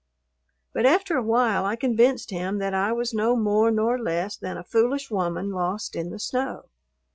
But after a while I convinced him that I was no more nor less than a foolish woman lost in the snow.